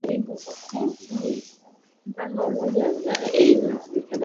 mpango wa umoja wa ulaya eu na shirika la kimataifa la fedha duniani imf